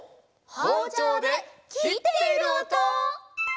ほうちょうできっているおと！